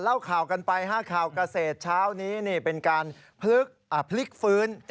เล่าข่าวกันไป๕ข่าวเกษตรเช้านี้เป็นการพลิกฟื้น